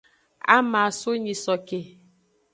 Ama aso nyisoke.